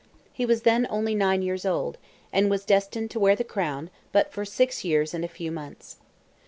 He was then only nine years old, and was destined to wear the crown but for six years and a few months.